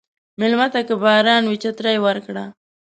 مېلمه ته که باران وي، چترې ورکړه.